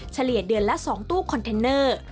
เฉลี่ยเดือนละ๒ตู้คอนเทนเนอร์